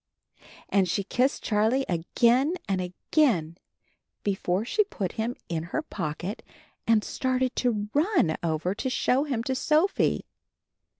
And she kissed Charlie again and again before she put him in her pocket, and started to run over to show him to Sophie.